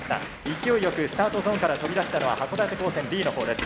勢いよくスタートゾーンから飛び出したのは函館高専Ｂのほうです。